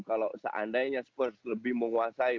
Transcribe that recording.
kalau seandainya spurs lebih menguasai